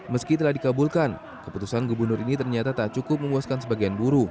meski telah dikabulkan keputusan gubernur ini ternyata tak cukup memuaskan sebagian buruh